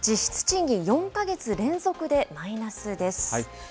実質賃金４か月連続でマイナスです。